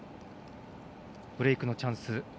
ブレークのチャンス。